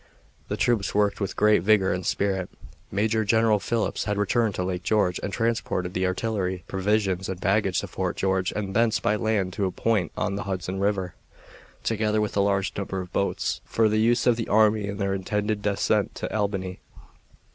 The troops worked with great vigor and spirit. Major General Phillips had returned to Lake George and transported the artillery, provisions, and baggage to Fort George and thence by land to a point on the Hudson River, together with a large number of boats for the use of the army in their intended descent to Albany.